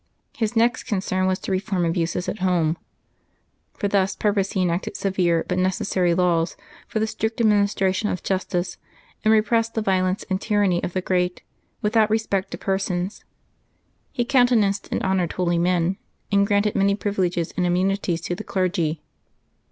His next concern was to reform abuses at home, Eor thus purpose he enacted severe but necessary laws for the strict administration of justice, and repressed the vio lence and tyranny of the great, without respect to persons. He countenanced and honored holy men, and granted many privileges and immunities to the clergy.